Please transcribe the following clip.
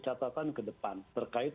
catatan ke depan terkait